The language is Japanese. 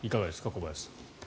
小林さん。